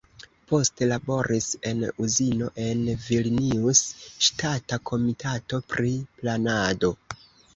Poste laboris en uzino en Vilnius, ŝtata komitato pri planado.